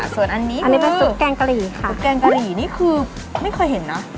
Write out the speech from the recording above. ส่วนอันนี้อันนี้เป็นซุปแกงกะหรี่ค่ะซุแกงกะหรี่นี่คือไม่เคยเห็นเนอะ